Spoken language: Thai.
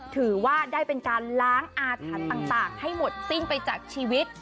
ถือว่าได้เป็นการล้างอาถรรพ์ต่างให้หมดสิ้นไปจากชีวิต